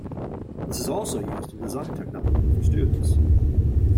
This is also used in design technology for students.